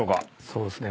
そうですね。